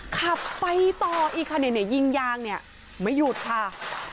ขับไปต่ออีกค่ะเนี่ยยิงยางเนี่ยไม่หยุดค่ะ